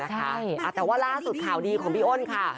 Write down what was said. แต่ว่าล่าสุดข่าวดีของพี่อ้นค่ะ